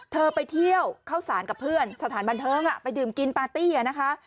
เธอไปเที่ยวเข้าสารกับเพื่อนสถานบันเทิงไปดื่มกินปาร์ตี้นะคะ